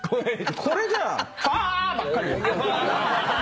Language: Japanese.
これじゃ「ファー！」ばっかり。